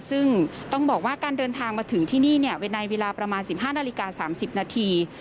ซึ่งต้องบอกว่าการเดินทางมาถึงที่นี่ในเวลาประมาณ๑๕นาฬิกา๓๐นาที